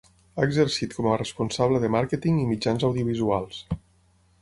Ha exercit com a responsable de Màrqueting i Mitjans Audiovisuals.